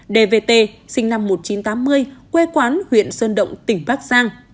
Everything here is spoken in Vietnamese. dv sinh năm một nghìn chín trăm tám mươi quê quán huyện sơn động tỉnh bắc giang